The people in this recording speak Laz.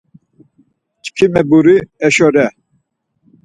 Çkimeburi eşo re.